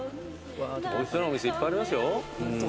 おいしそうなお店いっぱいありますよ。